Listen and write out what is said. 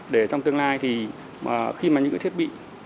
để trong tương lai thì khi mà những cái thiết bị